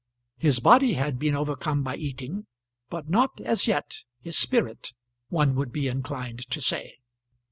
His body had been overcome by eating, but not as yet his spirit one would be inclined to say.